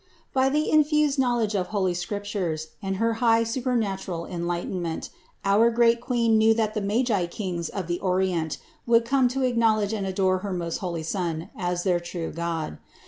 540. By the infused knowledge of holy Scriptures and her high supernatural enlightenment, our great Queen knew that the Magi Kings of the Orient would come to acknowledge and adore her most holy Son as their true God.